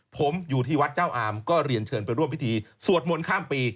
ผมอยู่ที่วัดเจ้าอามก็เรียนเชิญไปร่วมพิธีสวดมนต์ข้ามปี